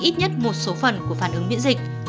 ít nhất một số phần của phản ứng miễn dịch